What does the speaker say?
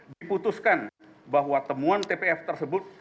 diputuskan bahwa temuan tpf tersebut